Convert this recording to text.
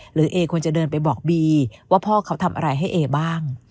เอควรจะเดินไปบอกบีว่าพ่อเขาทำอะไรให้เอบ้าง